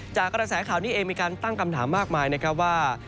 กระแสข่าวนี้เองมีการตั้งคำถามมากมายนะครับว่า